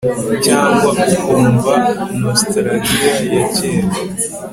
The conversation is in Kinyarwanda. cyangwa ukumva nostalgia ya kera